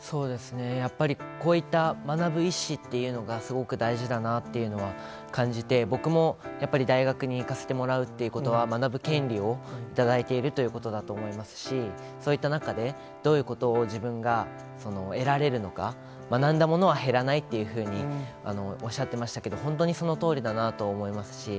やっぱりこういった学ぶ意思っていうのが、すごく大事だなというのは感じて、僕もやっぱり大学に行かせてもらうということは、学ぶ権利を頂いているということだと思いますし、そういった中で、どういうことを自分が得られるのか、学んだものは減らないっていうふうにおっしゃってましたけど、本当にそのとおりだなと思いますし。